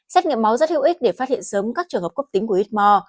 xét nghiệm máu rất hữu ích để phát hiện sớm các trường hợp cốc tính của huyết mò